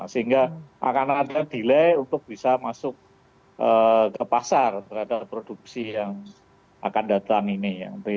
sehingga akan ada delay untuk bisa masuk ke pasar terhadap produksi yang akan datang ini